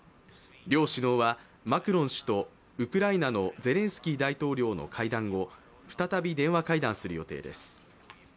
両首脳はマクロン氏とウクライナのゼレンスキー大統領の会談後再び電話会談する予定です。